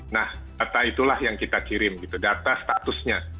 nah data itulah yang kita kirim gitu data statusnya